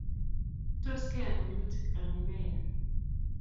Tos, keyan walutik anan meyan?